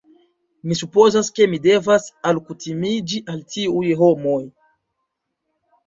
Mi supozas, ke mi devas alkutimiĝi al tiuj homoj